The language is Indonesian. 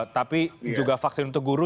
tapi juga vaksin untuk guru